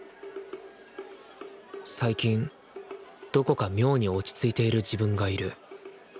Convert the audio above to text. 最近どこか妙に落ち着いている自分がいる。